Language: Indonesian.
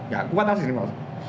gak kuat lah sih ini mas